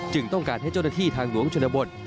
ต้องการให้เจ้าหน้าที่ทางหลวงชนบท